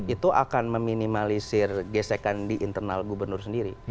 itu akan meminimalisir gesekan di internal gubernur sendiri